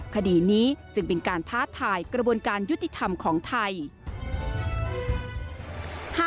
คดีนี้จึงเป็นการท้าทายกระบวนการยุติธรรมของไทย